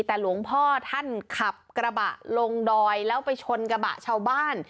แต่หลวงพ่อท่านขับกระบะลงดอยแล้วไปชนกระบะชาวบ้าน